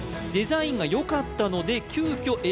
デザインがよかったので急きょ